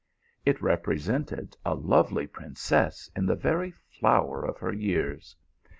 It repre sented a lovely princess in the very flower of hei years.